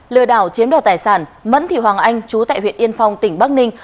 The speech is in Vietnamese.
lừa đảo chiếm đoạt tài sản mẫn thị hoàng anh chú tại huyện yên phong tỉnh bắc ninh